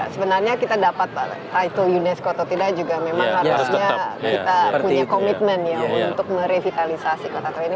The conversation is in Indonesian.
sebenarnya kita dapat tito unesco atau tidak juga memang harusnya kita punya komitmen ya untuk merevitalisasi kota tua ini